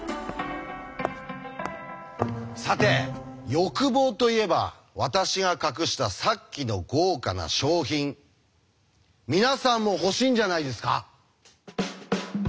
さて欲望といえば私が隠したさっきの豪華な賞品皆さんも欲しいんじゃないですか？